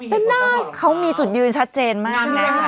แต่หน้าเขามีจุดยืนชัดเจนมากนะ